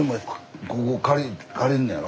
ここ借りんのやろ？